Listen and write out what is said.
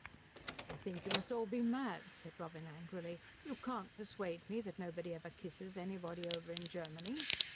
"I think you must all be mad," said Robin angrily. "You can't persuade me that nobody ever kisses anybody over in Germany."